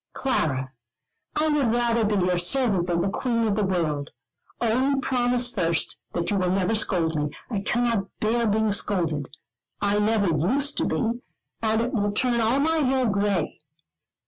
"Clara, I would rather be your servant than the queen of the world. Only promise first that you will never scold me. I cannot bear being scolded. I never used to be; and it will turn all my hair gray."